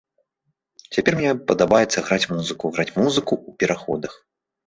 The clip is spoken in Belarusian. Цяпер мне падабаецца граць музыку, граць музыку ў пераходах.